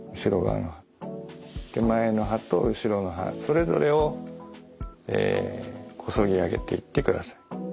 手前の歯と後ろの歯それぞれをえこそぎ上げていってください。